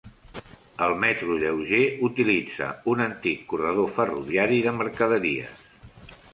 El metro lleuger utilitza un antic corredor ferroviari de mercaderies.